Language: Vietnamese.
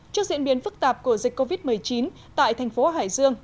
trước diễn biến phức tạp của dịch covid một mươi chín tại thành phố hải dương